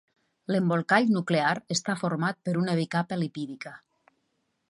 L’embolcall nuclear està format per una bicapa lipídica.